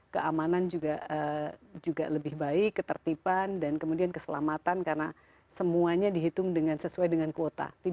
keamanan juga lebih baik ketertiban dan kemudian keselamatan karena semuanya dihitung sesuai dengan kuota